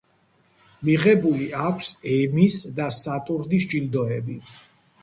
მიღებული აქვს ემის და სატურნის ჯილდოები.